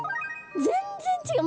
全然違う。